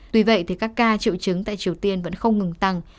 tuy vậy thì các ca triệu chứng tại triều tiên vẫn không ngừng tăng